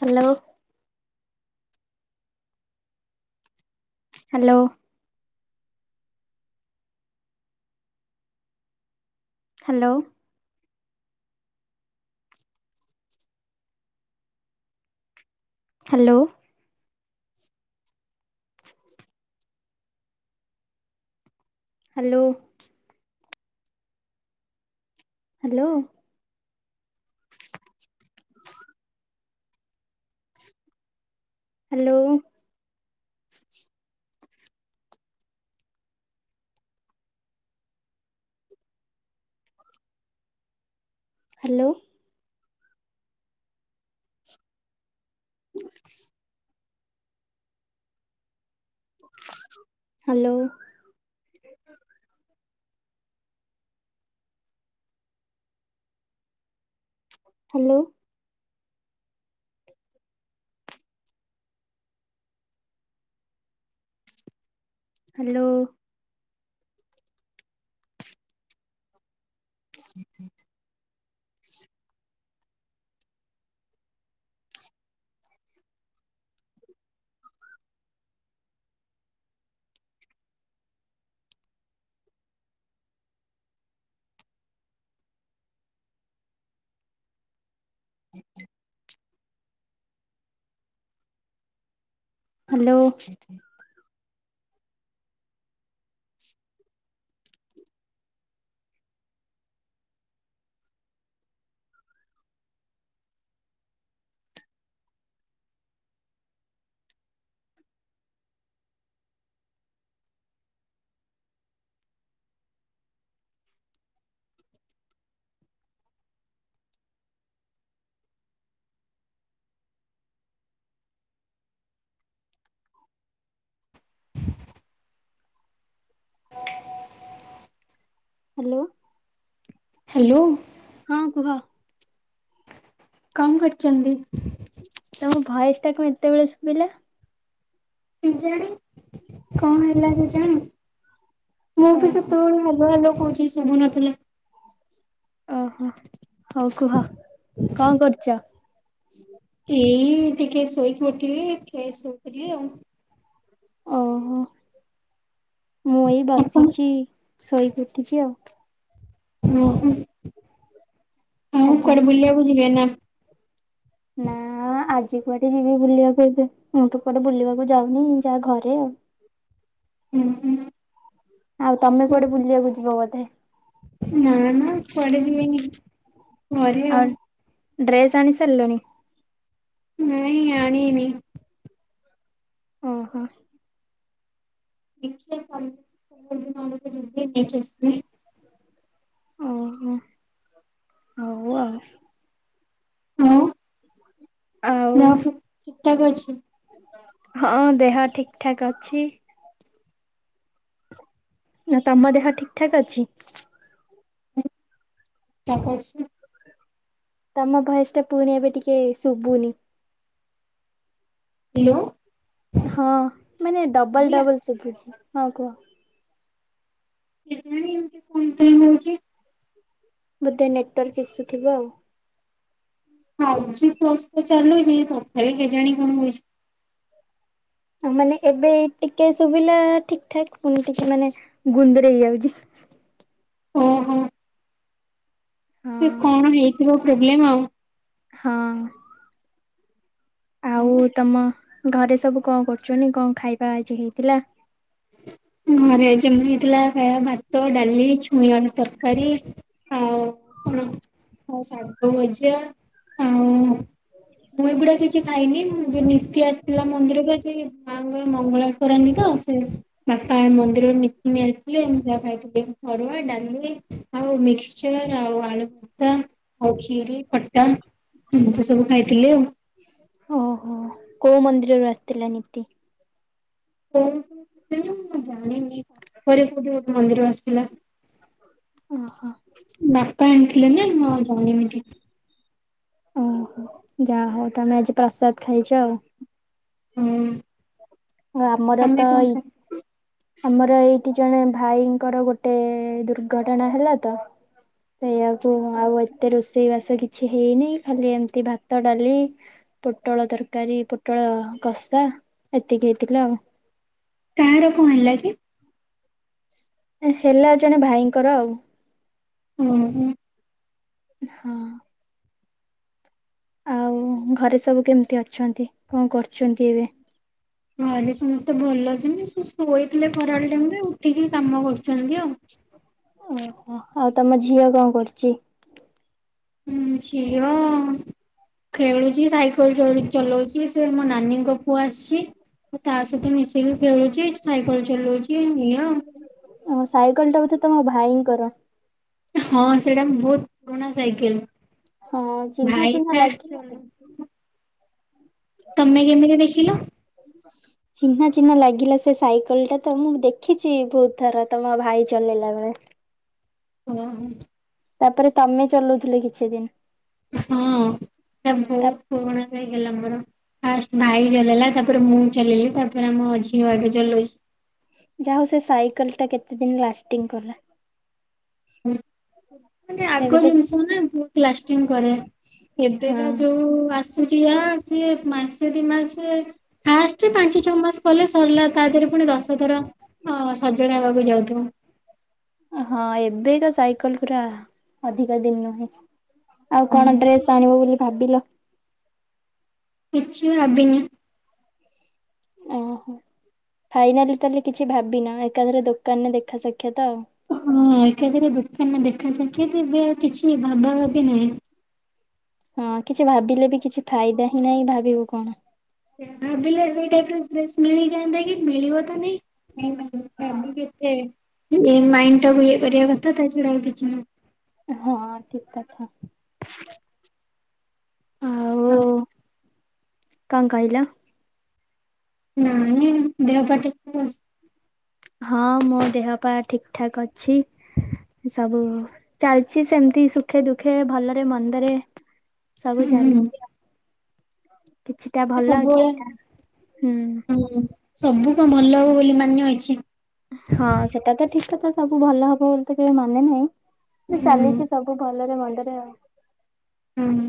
Hello hello hello hello hello hello hello hello [unintelligible] hello hello hello [inaudible] hello hello hello ହଁ କୁହ। କଣ କରୁଛନ୍ତି? ତମ ଭୟସଟା କଣ ଏତେବେଳେ ଶୁଭିଲା? କେଜାଣୀ କଣ ହେଲା କେଜାଣୀ। ମୁଁ ବି ଓହୋ। ସେତେବେଳେ ହ୍ୟାଲୋ ହ୍ୟାଲୋ କହୁଛି ସୁବୁ ନଥିଲା। ଓହୋ ହଉ କୁହ କଣ କରୁଛ? ଏଇ ଟିକେ ଶୋଇକି ଉଠିଲି ଟିକେ ଶୋଇଥିଲି ଆଉ। ଓହୋ ମୁଁ ଏଇ ଆପଣ ବସିଛି ଶୋଇକି ଉଠିଛି ଆଉ। ଓହୋ ଉ ଆଜ୍ଞା। କୁଆଡେ ବୁଲିବାକୁ ଯିବେ ନା? ନା ଆଜି କୁଆଡେ ଯିବି ବୁଲିବାକୁ ଏବେ ମୁଁ ତୁ କୁଆଡେ ବୁଲିବାକୁ ଯାଉନି ଯାହା ଘରେ ଆଉ। ହୁଁ ହୁଁ। ଆଉ ତମେ କୁଆଡେ ବୁଲିବାକୁ ଯିବ ବୋଧେ। ନା ନା କୁଆଡେ ଯିବିନି। ଘରେ ଆଉ। ଆର୍ ଡ୍ରେସ୍ ଆଣି ସାରିଲଣି। ନାଇଁ ଆଣିନି। ଓହୋ। ଦେଖିବା କାଲି ପହର ଦିନ ଆଡକୁ ଯିବି ନେଇକି ଆସିବି। ଓହୋ ହଉ ଆଉ। ହଁ ହ ନା ଠିକ ଠାକ ଅଛି। ହଁ ଦେହ ଠିକ ଠାକ୍ ଅଛି। ନା ତ ଆମ ଦେହ ଠିକ ଠାକ୍ ଅଛି। ତାପଛରେ ତମ ଭଏସ ଟା ପୁଣିି ଏବେ ଟିକେ ଶୁଭୁନି। ହ୍ୟାଲୋ। ହଁ ମାନେ ଡବଲ ଶୁଭିଲା? ଡବଲ ଶୁଭୁଛି ହଁ କୁହ। କେଜାଣି ଏମତି କଣ ପାଇଁ ହଉଛି? ବୋଧେ ନେଟୱାର୍କ ଇସୁଥିବ ଆଉ। ଫାଇବଜିପ୍ଲସ ଚାଲୁଛି ତଥାପି କେଜାଣି କଣ ହଉଛି। ଆ ମାନେ ଏବେ ଟିକେ ଶୁଭିଲା ଠିକ ଠାକ ପୁଣି ଟିକେ ମାନେ ଗୁନ୍ଦରେଏତ ହେଇଯାଉଛି। ଓହୋ ହଁ ସେ କଣ ହେଇଥିବ ପ୍ରୋବ୍ଲେମ ଆଉ। ହଁ। ଆଉ ତମ ଘରେ ସବୁ କଣ କରୁଛନ୍ତି କଣ ଖାଇବା ଆଜି ହେଇଥିଲା? ଘରେ ଆଜି ଆମର ହେଇଥିଲା ଖାଇବା ଭାତ ଡାଲି ଛୁଇଁ ଆଳୁ ତରକାରୀ। ହୁଁ ଆଉ ଶାଗ ଭଜା ଆଉ ମୁଁ ଏଗୁଡା କିଛି ଖାଇନି ମୁଁ ବେନି ଦୁତି ଆସିଥିଲା ମନ୍ଦିରକୁ ଯେ ମାଙ୍କର ମଙ୍ଗଳା କରନ୍ତି ତ ସେ ବାପା ମନ୍ଦିରରୁ ନିତିିନ ଆସିଥିଲେ ମୁଁ ଯାହା ଖାଇଥିଲି ଅରୁଆ ଡାଲିି ଆଉ ମିକ୍ସଚର ଆଉ ଆଳୁ ଭର୍ତା ଆଉ ଖିରି ଖଟା ଏମିତି ସବୁ ଖାଇଥିଲି ଆଉ। ଓହୋ କୋଉ ମନ୍ଦିରରୁ ଆସିଥିଲା ନୀତି? କୋଉ ମୁଁ ଜାଣିନି କୁଆଡୁ କୋଉ ଗୋଟେ ମନ୍ଦିରରୁ ଆସ ଓହୋ। ବାପା ଆଣିଥିଲେ ନା ମୁଁ ଆଉ ଜାଣିନି ଠିକ୍ ସେ। ଓହୋ ଯାହା ହଉ ତମେ ଆଜି ପ୍ରସାଦ ଖାଇଛ ଆଉ। ହୁଁ। ହ ଆମର ତମେ ତ କଣ ଏଇ ଖାଇ ଆମର ଏଇଠି ଜଣେ ଭାଇଙ୍କର ଗୋଟେ ଦୁର୍ଘଟଣା ହେଲା ତ। ସେଇଆ କି ଆଉ ଏତେ ରୋଷେ ରୋଷେଇ ବାସ କିଛି ହେଇନି ଖାଲି ଏମିତି ଭାତ ଡାଲି ପୋଟଳ ତରକାରୀ ପୋଟଳ କଷା। ଏତିକି ହେଇଥିଲା ଆଉ। କାହାର କଣ ହେଲା କି? ହେ ହେଲା ଜଣେ ଭାଇଙ୍କର ଆଉ। ଉ ହୁଁ। ଏ ହଁ। ଉଁ ଘରେ ସବୁ କେମିତି ଅଛନ୍ତି କଣ କରୁଚନ୍ତି ଏବେ? ନହଲେ ସମସ୍ତେ ଭଲ ଅଛନ୍ତି ସେ ଶୋଇଥିଲେ ଖରାବେଳ ଟାଇମରେ ଉଠିକି କାମ କରୁଚନ୍ତି ଆଉ। ଓହୋ ଆଉ ତମ ଝିଅ କଣ କରୁଚି? ଉଁ ଝିଅ ଖେଳୁଚି ସାଇକେଲ ଚଢୁ ଚଲୋଉଚି ସେ ମୋ ନାନୀଙ୍କ ପୁଅ ଆସିଚି। ତା ସହିତ ମିଶିକି ଖେଳୁଚି ଏଠି ସାଇକେଲ ଚଲୋଉଚି ଏଇଆ ଅଉ। ଓ ସାଇକେଲଟା ବୋଥଧେ ତମ ଭାଇଙ୍କର। ହଁ ସେଇଟା ବୋହୁତ ପୁରୁଣା ସାଇକେଲ ହଁ ଚିହ୍ନା ଭାଇ ଚିହ୍ନା ଫାଷ୍ଟ୍ ଲାଗିଲା ତ ଚଲୋଉ ତମେ କେମତିରେ ଦେଖିଲ? ହ ଚିହ୍ନା ଚିହ୍ନା ଲାଗିଲା ସେ ସାଇକେଲଟା ତ ମୁଁ ଦେଖିଚି ବୋହୁତ ଥର ତମ ଭାଇ ଚଲେଇଲା ବେଳେ। ଓହୋ। ତାପରେ ତମେ ଚଲୋଉଥିଲ କିଛିଦିନ। ହଁ ତା ତା ବୋହୁତ ପୁରୁଣା ସାଇକେଲଟା ମୋର। ଫାଷ୍ଟ ଭାଇ ଚଲେଇଲା, ତାପରେ ମୁଁ ଚଲେଇଲି, ତାପରେ ଆମ ଝିଅ ଏବେ ଚଲୋଉଚି। ଯାହୋଉ ସେ ସାଇକେଲଟା କେତେ ଦିନ ଲାଷ୍ଟିଙ୍ଗ କଲା। ହୁଁ। ମାନେ ଏବେ ଆଗ ତ ଜିନିଷ ନା ବୋହୁତ ଲାଷ୍ଟିଙ୍ଗ୍ କରେ ହଁ ଏବେକା ଯୋଉ ଆସ ସୁଚି ଆ ସିଏ ମାସେ ଦ ମାସେ ଫାଷ୍ଟେ ପାଞ୍ଚଛଅ ମାସ କଲେ ସରିଲା ତା ଦେହରେ ପୁଣି ଦଶ ଥର ଅଁ ସଜଡା ହବାକୁ ଯାଉଥୁବ। ଅ ହଁ ଏବେକା ସାଇକେଲ ପୁରା ଅଧିକା ଦିନ ନୁହେଁ। ଆଉ କଣ ହୁଁ ଡ୍ରେସ୍ ଆଣିବ ବୋଲି ଭାବିଲ? କିଛି ଭାବିନି। ଓହୋ ଫାଇନାଲି ତାହେଲେ କିଛି ଭାବିିନ ଏକାଥରେ ଦୋକାନରେ ଦେଖା ସାକ୍ଷାତ ଆଉ। ହଁ ଏକାଥରେ ଦୋକାନରେ ଦେଖା ସାକ୍ଷତ ଏବେ ଆଉ କିଛି ଭାଗଭାବି ନାହିଁ। ହଁ କିଛି ଭାବିଲେ ବି କିଛି ଫାଇଦା ହିଁ ନାହିଁ ଭାବିବୁ କଣ। ଭାବିଲେ ସେଇ ଟାଇପର ଡ୍ରେସ ମିଳିଯାଆନ୍ତା କି ମିଳିବ ତ ନେଇଁ। ଏଇ ମାଇଣ୍ଡଟାକୁ ଇଏ କରିବା କଥା ତା ଛଡା ଆଉ କିଛି ନୁହଁ। ଏ ହଁ ଠିକ କଥା। ଆଉ ଅହଁ। କଣ କହିଲ? ନାଇଁ ଦେହପାଆ ଠିକ ଠାକ ଅଛି? ହଁ ମୋ ଦେହପାଆ ଠିକ ଠାକ୍ ଅଛି। ସବୁ ଚାଲଚି ସେମତି ସୁଖେ ଦୁଃଖେ ଭଲରେ ମନ୍ଦରେ। ସବୁ ହୁଁ ହୁଁ ଚାଲିଚି ଆଉ। କିଛିଟା ଏ ଭଲ ସବୁବେଳେ କିଛିଟା ହୁଁ ହୁଁ ସବୁ କଣ ଭଲ ହବ ବୋଲି ମାନେ ଅଛି। ହଁ ସେଟା ତ ଠିକ କଥା ସବୁ ଭଲ ହବ ବୋଲି ତ କେବେ ମାନେ ନାହିଁ ନା ହୁଁ। ଚାଲିଚି ସ୍ ସବୁ ଭଲରେ ମନ୍ଦରେ ଆ ଉଁହୁଁ।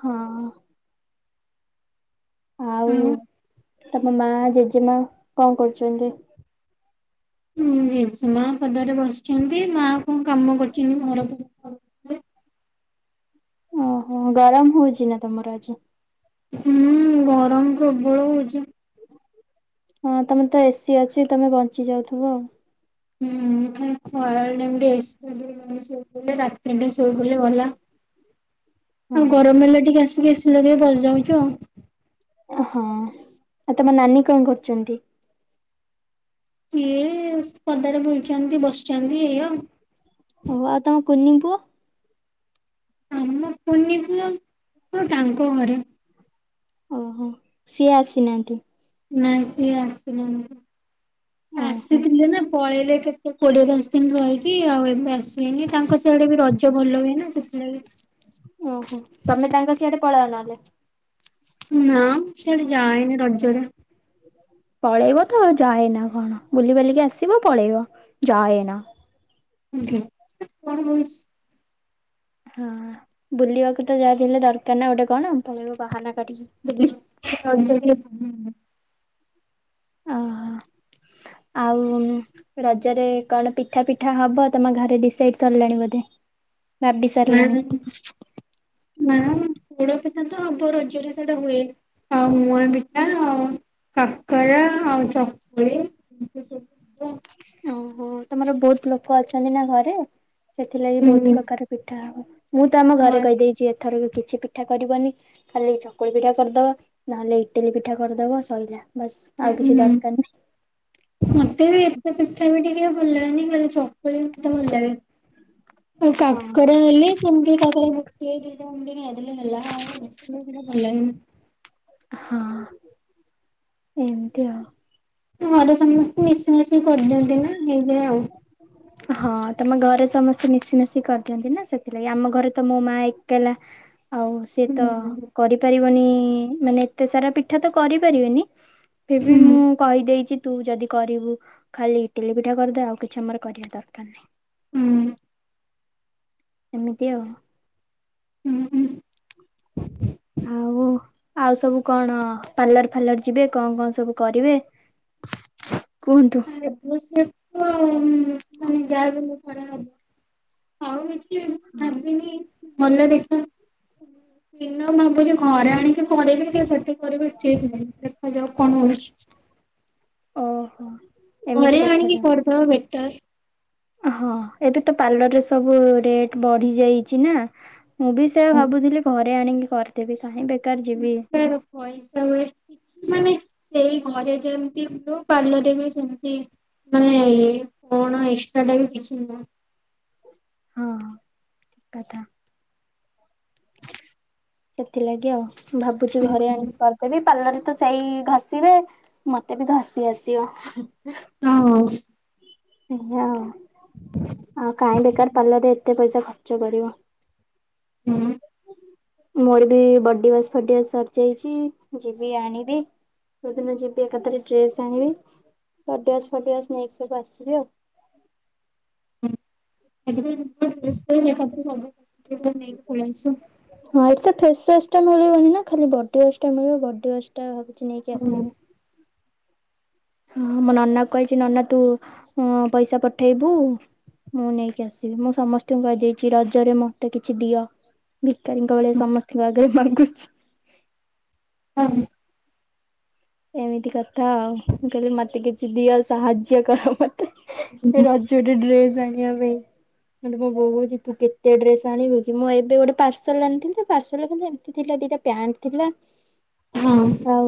ହଁ। ଆଉ ତମ ମାଆ, ଜେଜେମାଆ କଣ କରୁଚନ୍ତି? ଜେଜେ ମାଆ ପଦାରେ ବସିଚନ୍ତି ମା କଣ କାମ କରୁଚିନ୍ତି ଘର ଫ ଓହୋ ଗରମ ହୋଉଚି ନା ତମର ଆଜି? ହୁଁ ଗରମ ପ୍ରବଳ ହୋଉଚି। ହଁ ତମର ତ ଏ ସି ଅଛି ତମେ ବଞ୍ଚି ଯାଉଥୁବ ଆଉ। ହୁଁ ଖାଲି ଖରାବେଳ ଟାଇମରେ ଏ ସି [unintelligible] ଶୋଇପଇଲେ ରାତିରେ ଟିକେ ଶୋଇପଇଲେ ଗଲା। ଆଉ ଗରମ ହେଲେ ଟିକେ ଆସିକି ଏସି ଲଗେଇ ବସି ଯାଉଚୁ ଆଉ। ଏ ହଁ ଆଉ ତମ ନାନୀ କଣ କରୁଚନ୍ତି? ସିଏ ପଦାରେ ବୁଲଛନ୍ତି, ବସିଛନ୍ତି ଏଇ ଆଉ। ହଉ ଆଉ ତମ କୁନି ପୁଅ? ଆମ ପୁନି ପୁଅ ଆଉ ତାଙ୍କ ଘରେ। ଓହୋ, ସିଏ ଆସିନାହାନ୍ତି। ନାଇଁ ସିଏ ଆସିନା ଓହୋ ଆସିଥିଲେ ନା ପଳେଇଲେ କେତେ ସେ କୋଡିଏ ଦଶ ଦିନ ରହିକି ଆଉ ଏବେ ଆସିବେନି, ତାଙ୍କ ସେଇଆଡ ବି ରଜ ଭଲ ହୁଏ ନା ସେତ ବି। ଓହୋ, ତମେ ତାଙ୍କ ସିଆଡେ ପଳାଅ ନହେଲେ। ନା ମୁଁ ସିଆଡେ ଯାଏନି ରଜରେ। ପଳେଇବ ତ ଯାଏନା କଣ? ବୁଲି ବାଲିକି ଆସିବ, ପଳେଇବ ଯାଏନା। କଣ ହଉଛି? ହଁ ବୁଲିବାକୁ ତ ଯାହା ଥିଲେ ଦରକାର ନା ଗୋଟେ କଣ ପଳେଇବ ବାହାନା କରିକି। ବୁଲି। [unintelligible] ଓହୋ ଆଉ, ରଜରେ କଣ ପିଠା ପିଠା ହବ ତମ ଘରେ ଡିସାଇଡ୍ ସରିଲାଣି ବୋଧେ? ଭାବି ସାରିଲାଣି। ନାଇଁ ପୋଡ଼ ପିଠା ତ ହବ ରଜରେ ସେଇଟା ହୁଏ। ଆଉ ମୁଆଁ ପିଠା, ଆଉ କାକରା, ଆଉ ଚକୁଳି ଏମିତି ସବୁ ହବ। ଓହୋ, ତମର ବହୁତ ଲୋକ ଅଛନ୍ତି ନା ଘରେ, ସେଥିଲାଗି ବହୁତ ହୁଁ ପ୍ରକାର ପିଠା ହବ। ମୁଁ ତ ଆମ ଘରେ ହଁ କହିଦେଇଚି ଏଥର ବି କିଛି ପିଠା କରିବନି ଖାଲି ଚକୁଳି ପିଠା କରିଦବ, ନହେଲେ ଇଟିଲି ପିଠା କରିଦବ, ସଇଲା ବାସ୍ ଆଉ କିଛି ହୁଁ। ଦରକାର୍ ନାହିଁ। ମତେ ବି ଏତେ ପିଠା ପିଠି କି ଭଲ ଲାଗେନି, ଖାଲି ଚକୁଳି ମତେ ଭଲ୍ ଲାଗେ। ଆଉ ହଁ। କାକରା ହେଲେ ସେମିତି କାକରା ଦମଲେ [unintelligible] ଛେନାପୋଡ଼ ଭଲ୍ ଲାଗେନି। ହଁ ଏମତି ଆଉ। ଘରେ ସମସ୍ତେ ମିଶିମଶିକି କରିଦିଅନ୍ତି ନା, ହେଇଯାଏ ଆଉ। [inaudible] ହଁ ତମ ଘରେ ସମସ୍ତେ ମିଶିମାଶି କରିଦିଅନ୍ତି ନା, ସେଥିଲାଗି ଆମ ଘରେ ତ ମୋ ମା ଏକେଲା ଆଉ ସିଏ ତ କରିପାରିବନି, ମାନେ ଏତେ ସାରା ପିଠା ତ କରିପାରିବେନି ଫିର୍ ବି ହୁଁ ମୁଁ କହିଦେଇଚି ତୁ ଯଦି କରିବୁ ଖାଲି ଇଟିଲି ପିଠା କରିଦେ, ଆଉ କିଛି ଆମର କରିବା ଦରକାର ନାହିଁ। ହୁଁ। ଏମିତି ଆଉ। ହୁଁ -ହୁଁ। ଆଉ ଆଉ ସବୁ କଣ ପାର୍ଲର ଫାଲର୍ ଯିବେ କଣ କଣ ସବୁ କରିବେ? କୁହନ୍ତୁ? ଏବ ସେ ତ ମାନେ ଯାବଲେ ଥରେ ହବ। ଆଉ କିଛି ଭାବିନି। ଗଲେ ଦେଖିଆ, ଭାବୁଚି ଘରେ ଆଣି ଏଠି କରିବି କି ସେଠି କରିବି ଠିକ୍ ହେଇନି, ଦେଖାଯାଉ କଣ ହଉଚି। ଓହୋ। ଏମିତି ଘରେ କଥା ଆଣିକି ତାହେଲେ କରିଦବା ବେଟର୍। ହଁ ଏବେ ତ ପାର୍ଲରରେ ସବୁ ରେଟ୍ ବଢି ଯାଇଚି ନା। ମୁଁ ବି ସେଇଆ ଭାବୁଥିଲି ଘରେ ଆଣିକି କରିଦେବି କାହିଁ ବେକାର ଯିବି। ପୁଣି ପଇସା ବେଶୀ ମାନେ ସେଇ ଘରେ ଯେମିତି ପାର୍ଲରରେ ବି ସେମିତି ମାନେ ଇଏ କଣ ଏକ୍ସଟ୍ରା ଟା ବି କିଛି ନୁହଁ। ହଁ -ହଁ ଠିକ୍ କଥା। ସେଥିଲାଗି ଆଉ ଭାବୁଚି ଘରେ ଆଣି ନୁହଁ। କରିଦେବି, ପାର୍ଲର ତ ସେଇ ଘଷିବେ ମତେ ବି ଘଷି ଆସିବ। ହଁ ହଁ ହଁ ଅ ଆଉ କାହିଁ ବେକାର୍ ପାର୍ଲର ରେ ଏତେ ପଇସା ଖର୍ଚ୍ଚ କରିବ। ହଁ। ମୋର ବି ବଡି ୱାସ୍ ଫଡି ୱାସ୍ ସରି ଯାଇଚି ମୁଁ ଯିବି ଆଣିବି। ସେଦିନ ଯିବି ଏକାଥରେ ଡ୍ରେସ ଆଣିବି ବଡି ୱାସ୍ ଫଡି ୱାସ ନେଇକି ସବୁ ଆସିବି ଆଉ। [unintelligible] ହଁ ଏଠି ତ ଫେସ୍ ୱାସ୍ ଟା ମିଳିବନି ନା ଖାଲି ବଡି ୱାସ୍ ଟା ମିଳିବ ବଡିୱାସ୍ ଟା ଭାବୁଚି ନେଇକି ହଁ। ଆସିବି। ହଁ ମୋ ନନାକୁ କହିଚି ନନା ତୁ ପଇସା ପଠେଇବୁ ମୁଁ ନେଇକି ଆସିବି ମୁଁ ସମସ୍ତଙ୍କୁ କହିଦେଇଚି ରଜରେ ମତେ କିଛି ଦିଅ। ଭିକାରୀଙ୍କ ଭଳିଆ ସମସ୍ତଙ୍କ ଆଗରେ ମାଗୁଚି। ହଁ। ଏମିତି କଥା ଆଉ ମୁଁ କହିଲି ମତେ କିଛି ଦିଅ ସାହାଯ୍ୟ କର ମତେ ଏ ରଜ ଟେ ଡ୍ରେସ ଆଣିବା ପାଇଁ। ହେଲେ ମୋ ବୋଉ କଉଚି ତୁ କେତେ ଡ୍ରେସ୍ ଆଣିବୁ କି ମୁଁ ଏବେ ଗୋଟେ ପାର୍ସଲ ଆଣିଥିଲି ତ ପାର୍ସଲ ଖାଲି ଏମିତି ଥିଲା ଦିଟା ପ୍ୟାଣ୍ଟ ଥିଲା ହଁ। ଆଉ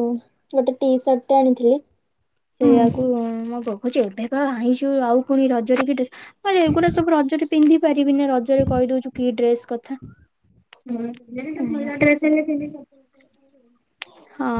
ଗୋଟେ ଟି ସାର୍ଟ ଟେ ଆଣିଥିଲି ହଁ। ସେୟାକୁ ମୋ ବୋ ଉ କୋଉଚି ଏବେପା ଆଣିଚୁ ଆଉ ପୁଣି ରଜରେ କି ଡ୍ରେ ମାନେ ଏଗୁରା ସବୁ ରଜରେ ପିନ୍ଧି ପାରିବିନି ରଜରେ କହିଦଉଛୁ କି ଡ୍ରେସ କଥା। ହୁଁ [unintelligible] ଆଜ୍ଞା ମଇଳା ଡ୍ରେସେ ହେଲେ ପିନ୍ଧିବ। ହଁ।